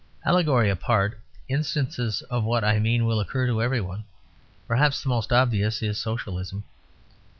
Allegory apart, instances of what I mean will occur to every one; perhaps the most obvious is Socialism.